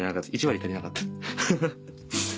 １割足りなかったフフ。